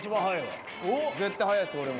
絶対速いです俺も。